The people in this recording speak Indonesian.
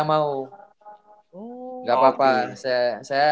kalau timnya bagus saya mau